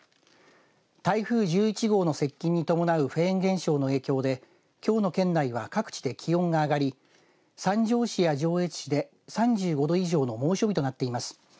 台風１１号の接近に伴うフェーン現象の影響できょうの県内は各地で気温が上がり三条市や上越市で３５度以上の猛暑日となっています。